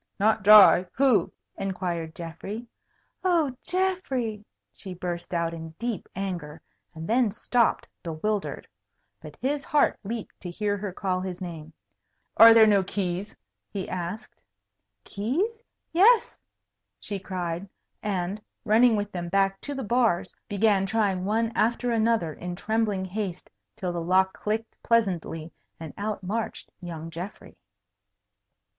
"Not dry? Who?" inquired Geoffrey. "Oh, Geoffrey!" she burst out in deep anger, and then stopped, bewildered. But his heart leaped to hear her call his name. "Are there no keys?" he asked. "Keys? Yes!" she cried, and, running with them back to the bars, began trying one after another in trembling haste till the lock clicked pleasantly, and out marched young Geoffrey.